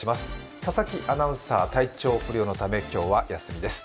佐々木アナウンサー、体調不良のため、今日は休みです。